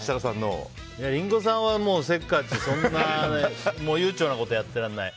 リンゴさんはせっかちで、そんな悠長なことやってらんない。